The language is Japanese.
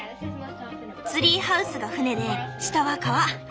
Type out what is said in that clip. ツリーハウスが船で下は川。